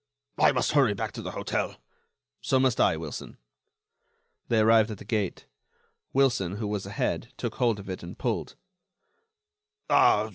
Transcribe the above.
"I must hurry back to the hotel." "So must I, Wilson." They arrived at the gate. Wilson, who was ahead, took hold of it and pulled.